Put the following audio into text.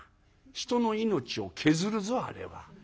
人の命を削るぞあれは。